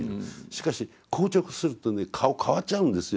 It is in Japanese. しかし硬直するとね顔変わっちゃうんですよ。